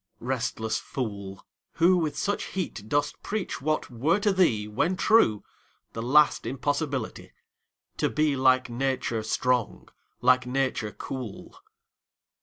Restless fool, Who with such heat dost preach what were to thee, When true, the last impossibility To be like Nature strong, like Nature cool!